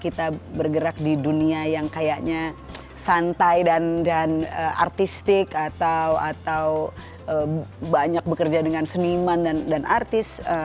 kita bergerak di dunia yang kayaknya santai dan artistik atau banyak bekerja dengan seniman dan artis